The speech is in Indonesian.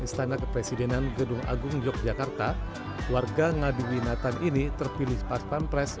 istana kepresidenan gedung agung yogyakarta warga ngadu winatan ini terpilih pas pampres